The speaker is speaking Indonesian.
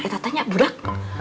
eh katanya budak